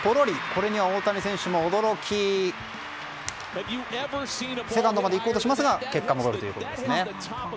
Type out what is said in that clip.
これには大谷選手も驚きセカンドまで行こうとしますが結果、戻るということです。